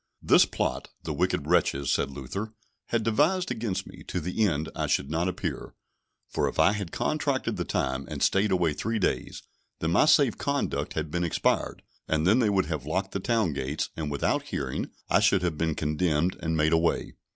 This plot the wicked wretches, said Luther, had devised against me, to the end I should not appear; for if I had contracted the time, and staid away three days, then my safe conduct had been expired, and then they would have locked the town gates, and without hearing, I should have been condemned and made away.